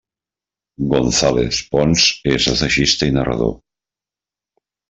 González Pons és assagista i narrador.